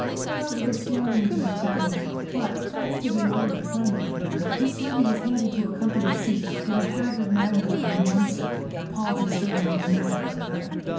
Crowds were swarming into the Tabernacle: but, thanks to the order a friend had given her, Miss Livy was handed to a comfortable seat, with a haggard Magdalen on one side and a palsy stricken old man on the other.